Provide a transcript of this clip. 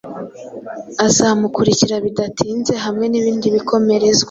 azamukurikira bidatinze hamwe n’ibindi bikomerezwa.